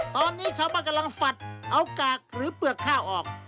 ตอนนี้ชาวบ้านกำลังฝัดเอากากหรือเปลือกข้าวออก